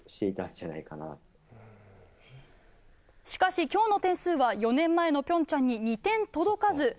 しかし今日の点数は４年前の平昌に２点届かず。